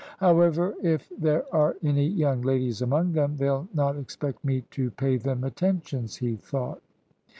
"However, if there are any young ladies among them, they'll not expect me to pay them attentions," he thought.